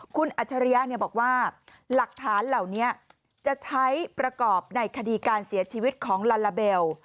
คุณอัจฉริยะบอกว่าหลักฐานเหล่านี้จะใช้ประกอบในคดีการเสียชีวิตของลาลาเบล